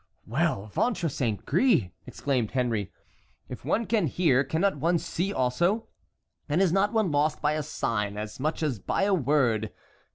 "Well! Ventre saint gris!" exclaimed Henry, "if one can hear cannot one see also? and is not one lost by a sign as much as by a word?